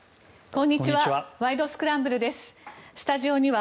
こんにちは。